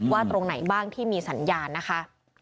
ตรงไหนบ้างที่มีสัญญาณนะคะ